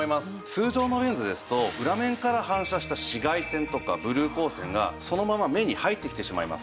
通常のレンズですと裏面から反射した紫外線とかブルー光線がそのまま目に入ってきてしまいます。